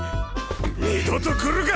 二度と来るか！